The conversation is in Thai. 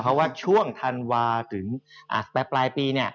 เพราะว่าช่วงธันวาถึงปลายปี